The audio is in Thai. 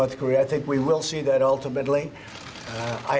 ฉันเชื่อว่านัฐกรีย์